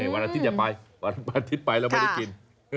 วันอาทิตอย่าไปวันอาทิตย์ไปแล้วไม่ได้กิน